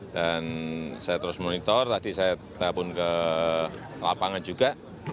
dan saya terus monitor tadi saya tabun ke lapangan juga